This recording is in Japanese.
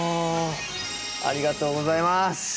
ありがとうございます。